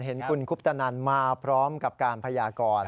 เห็นคุณคุปตนันมาพร้อมกับการพยากร